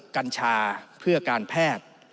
กัญชาเพื่อการแพทย์